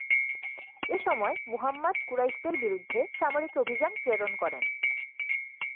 এসময় মুহাম্মাদ কুরাইশদের বিরুদ্ধে সামরিক অভিযান প্রেরণ করেন।